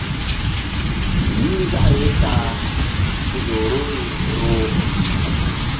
Yih nzak ye ta a ku ƴo roh ni roh.